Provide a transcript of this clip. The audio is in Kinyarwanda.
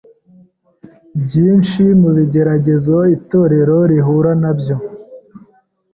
Byinshi mu bigeragezo itorero rihura na byo